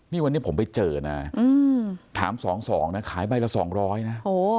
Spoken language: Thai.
นี่วันนี้ผมไปเจอนะถาม๒๒นะขายใบละ๒๐๐นะ